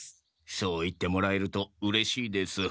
そう言ってもらえるとうれしいです。